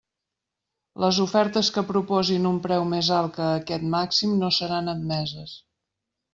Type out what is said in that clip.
Les ofertes que proposin un preu més alt que aquest màxim no seran admeses.